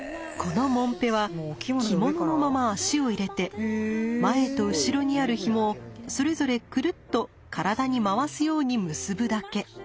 このもんぺは着物のまま足をいれて前と後ろにある紐をそれぞれくるっと体に回すように結ぶだけ。